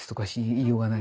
言いようがない。